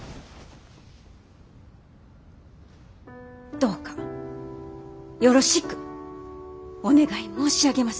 どうかよろしくお願い申し上げます。